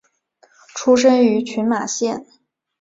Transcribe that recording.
出身于群马县。